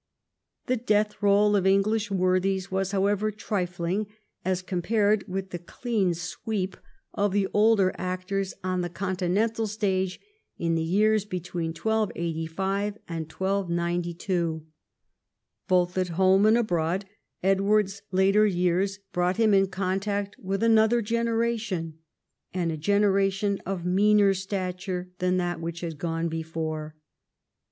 The death roll of English worthies Avas, however, trifling as compared with the clean sweep of the older actors on the Continental stage in the years between 1285 and 1292. Both at home and abroad, Edward's later years brought him in contact with another genei'ation, and a generation of meaner stature than that which had gone before.